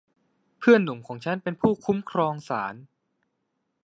เพื่อนหนุ่มของฉันเป็นผู้คุ้มครองศาล